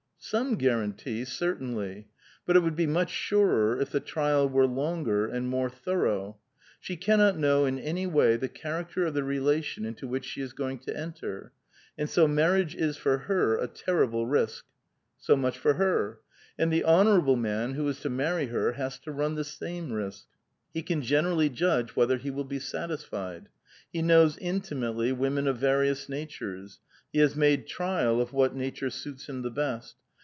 Some guarantee, certainly ; but it would be much surer if the trial were longer and more thorough. She cannot know in any way the character of the relation into which she is going to enter ; and so marriage is for her a terrible risk. So much for her ; and the honorable man who is to marry her has to run the same risk. He can generally judge whether he will be satisfied. He knows intimately women of various natures ; he has made trial of what nature suits him the best.